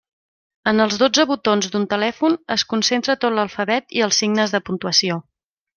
En els dotze botons d'un telèfon es concentra tot l'alfabet i els signes de puntuació.